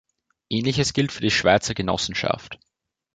Ähnliches gilt für die Schweizer Genossenschaft.